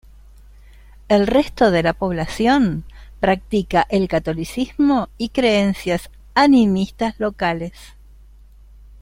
El resto de la población practica el catolicismo y creencias animistas locales.